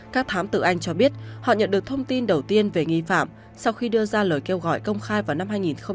các thám từ anh cho biết họ nhận được thông tin đầu tiên về nghi phạm sau khi đưa ra lời kêu gọi công khai vào năm hai nghìn một mươi sáu